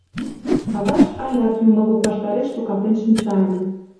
Авашт алят юмылук ваштареш сукалтен шинча ыле.